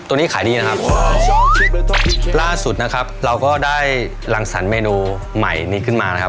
นี้ขายดีนะครับล่าสุดนะครับเราก็ได้รังสรรคเมนูใหม่นี้ขึ้นมานะครับ